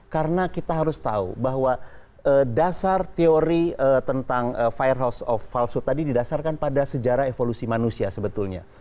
karena kita harus tahu bahwa dasar teori tentang firehouse of falsehood tadi didasarkan pada sejarah evolusi manusia sebetulnya